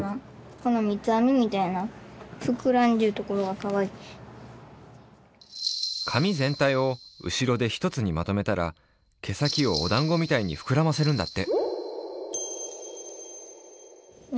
この髪ぜんたいをうしろで一つにまとめたら毛先をおだんごみたいにふくらませるんだって！